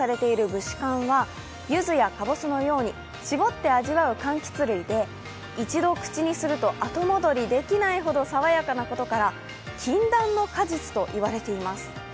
ぶしゅかんはゆずやかぼすのように搾って味わうかんきつ類で一度口にすると後戻りできないほどさわやかなことから禁断の果実と言われています。